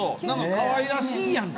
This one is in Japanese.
かわいらしいやんか。